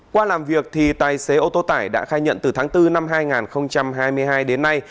qua làm việc tài xế ô tô tải đã khai nhận từ tháng bốn năm hai nghìn hai mươi hai đến nay